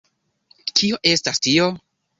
Kio estas tio??